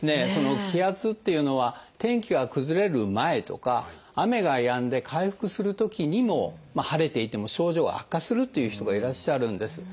気圧というのは天気が崩れる前とか雨がやんで回復するときにも晴れていても症状が悪化するという人がいらっしゃるんです。